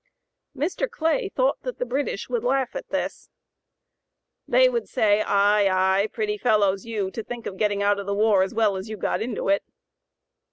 Mr. Clay thought that the British would laugh at this: "They would say, Ay, ay! pretty fellows you, to think of getting out of the war as well as you got into it."